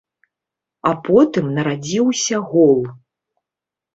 А потым нарадзіўся гол.